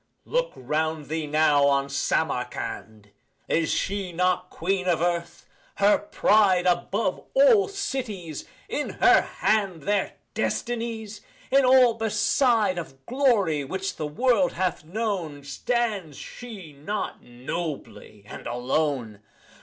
Look'round thee now on Samarcand! Is not she queen of Earth? her pride Above all cities? in her hand Their destinies? in all beside Of glory which the world hath known Stands she not nobly and alone?